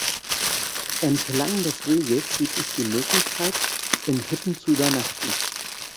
Entlang des Weges gibt es die Möglichkeit, in Hütten zu übernachten.